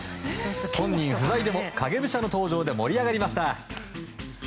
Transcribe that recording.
本人不在でも影武者の登場で盛り上がりました。